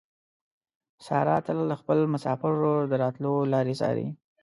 ساره تل د خپل مسافر ورور د راتلو لارې څاري.